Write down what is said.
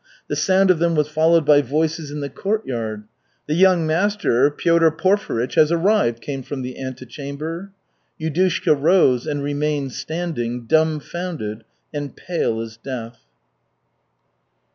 The sound of them was followed by voices in the court yard. "The young master, Piotr Porfirych, has arrived," came from the antechamber. Yudushka rose, and remained standing, dumfounded and pale as death.